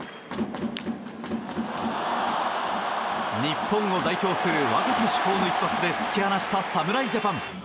日本を代表する若き主砲の一発で突き放した侍ジャパン。